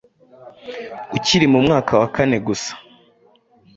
Ukiri mu mwaka wa kane gusa!